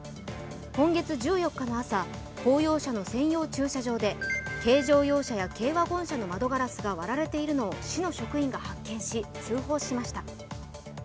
今月１４日の朝、公用車の専用駐車場で軽乗用車や軽ワゴン車の窓ガラスが割られているのを市の職員が発見し通報しました。